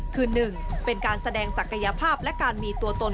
คือ๑เป็นการแสดงศักยภาพและการมีตัวตน